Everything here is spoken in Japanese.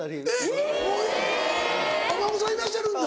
えっ！お孫さんいらっしゃるんだ。